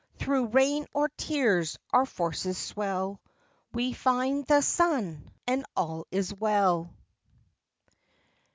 Though rain or tears our forces swell, We find the sun and all is well.